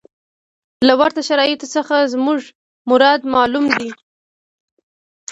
له ورته شرایطو څخه زموږ مراد معلوم دی.